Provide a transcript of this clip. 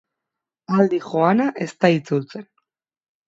Aldi joana ez da itzultzen.